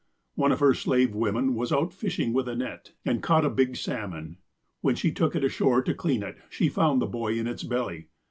One of her slave women was out fishing with a net, and caught a big salmon. When she took it ashore to clean it, she found the boy in its belly.